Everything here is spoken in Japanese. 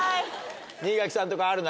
新垣さんとかある？